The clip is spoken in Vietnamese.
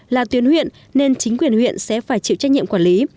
là tuyến huyện nên chính quyền huyện sẽ phải chịu trách nhiệm quản lý